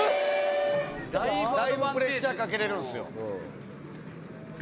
だいぶプレッシャーかけれるんすよ。